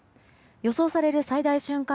予想される最大瞬間